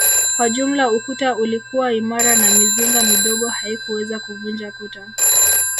Kwa jumla ukuta ulikuwa imara na mizinga midogo haikuweza kuvunja kuta